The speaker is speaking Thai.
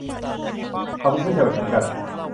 เขาเป็นผู้ชายแบบไหนกัน